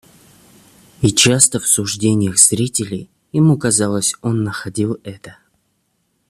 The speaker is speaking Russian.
И часто в суждениях зрителей, ему казалось, он находил это.